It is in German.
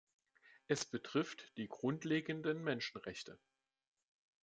Es betrifft die grundlegenden Menschenrechte.